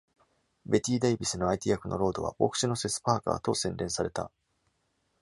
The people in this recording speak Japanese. ベティ・デイビスの相手役のロードは「牧師のセス・パーカー」と宣伝された。